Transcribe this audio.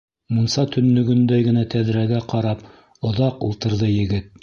Мунса төннөгөндәй генә тәҙрәгә ҡарап оҙаҡ ултырҙы егет.